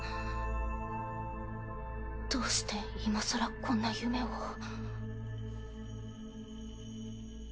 どうして今さらこんな夢を。